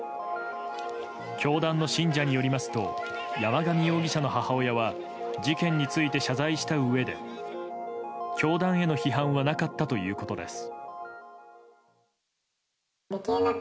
教団の信者によりますと山上容疑者の母親は事件について謝罪したうえで教団への批判はなかったということです。